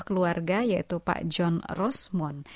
keluarga yaitu pak john rosmond